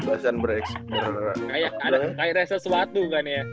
kayak resah sesuatu kan ya